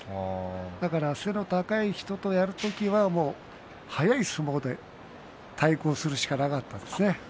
だから背の高い人とやる時は速い相撲で対抗するしかなかったですね。